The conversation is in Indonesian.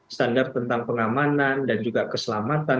standar tentang pengamanan dan juga keselamatan